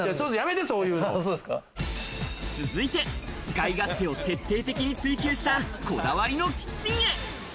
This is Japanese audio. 続いて、使い勝手を徹底的に追求した、こだわりのキッチンへ。